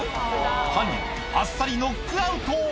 犯人あっさりノックアウト